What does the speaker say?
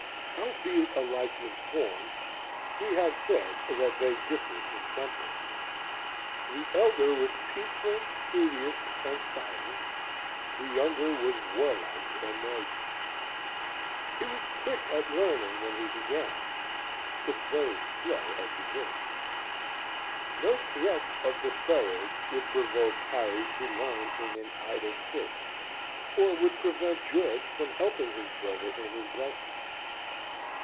Howbeit alike in form, we have said that they differed in temper. The elder was peaceful, studious, and silent; the younger was warlike and noisy. He was quick at learning when he began, but very slow at beginning. No threats of the ferule would provoke Harry to learn in an idle fit, or would prevent George from helping his brother in his lesson.